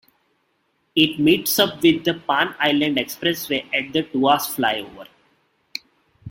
It meets up with the Pan Island Expressway at the Tuas Flyover.